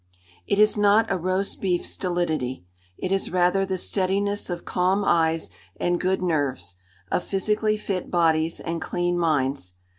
It is not a roast beef stolidity. It is rather the steadiness of calm eyes and good nerves, of physically fit bodies and clean minds.